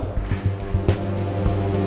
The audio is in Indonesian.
tidak ada yang bisa diberikan